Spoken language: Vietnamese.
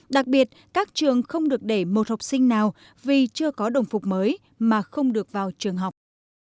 đặc biệt các trường không được để một học sinh nào vì chưa có đồng phục mới mà không được vào trường học